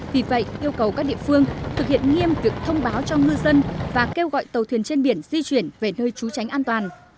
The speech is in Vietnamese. vì vậy yêu cầu các địa phương thực hiện nghiêm việc thông báo cho ngư dân và kêu gọi tàu thuyền trên biển di chuyển về nơi trú tránh an toàn